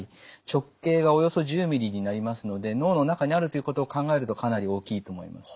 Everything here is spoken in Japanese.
直径がおよそ１０ｍｍになりますので脳の中にあるということを考えるとかなり大きいと思います。